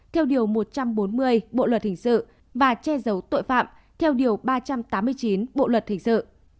theo điều một trăm bốn mươi bộ luật hình sự và che giấu tội phạm theo điều ba trăm tám mươi chín bộ luật hình sự